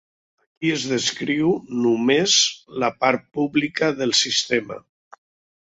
Aquí es descriu només la part pública del sistema.